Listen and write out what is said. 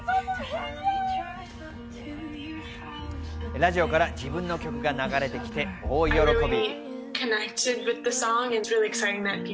ラジオから自分の曲が流れて来て大喜び。